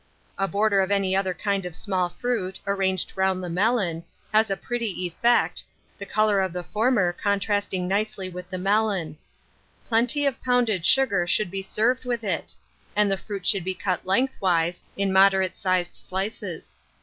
A border of any other kind of small fruit, arranged round the melon, has a pretty effect, the colour the former contrasting nicely with the melon. Plenty of pounded sugar should be served with it; and the fruit should be cut lengthwise, in moderate sized slices.